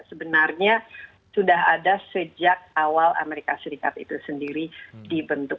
sebenarnya sudah ada sejak awal amerika serikat itu sendiri dibentuk